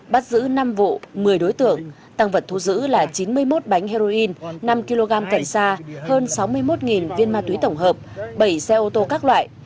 bắt giữ năm vụ một mươi đối tượng tăng vật thu giữ là chín mươi một bánh heroin năm kg cần xa hơn sáu mươi một viên ma túy tổng hợp bảy xe ô tô các loại